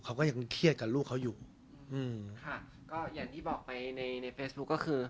เขาก็ยังเครียดกับลูกเขาอยู่อืมค่ะก็อย่างที่บอกไปในในเฟซบุ๊คก็คือ